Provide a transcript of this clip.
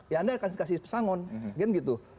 ya anda kasih pesangon